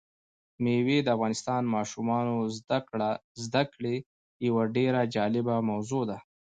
مېوې د افغان ماشومانو د زده کړې یوه ډېره جالبه موضوع ده.